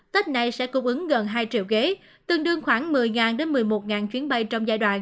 tết này sẽ cung ứng gần hai triệu ghế tương đương khoảng một mươi đến một mươi một chuyến bay trong giai đoạn